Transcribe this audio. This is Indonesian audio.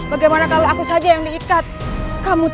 aku menekuk wajahmu